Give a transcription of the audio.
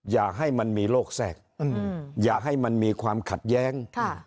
อย่าให้มันมีโรคแทรกอย่าให้มันมีความขัดแย้ง